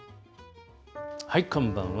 こんばんは。